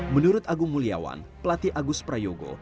menurut agung muliawan pelatih agus prayogo